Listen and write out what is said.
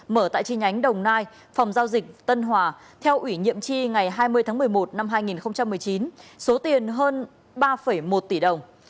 mở tại chi nhánh đồng nai phòng giao dịch tân hòa theo ủy nhiệm tri ngày hai mươi tháng một mươi một năm hai nghìn một mươi chín số tiền hơn ba một tỷ đồng